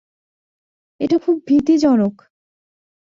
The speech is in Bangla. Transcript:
এটা খুব ভীতিজনক।